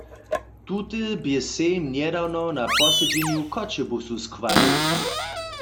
Tute bě sejm njedawno na posedźenju w Choćebuzu schwalił.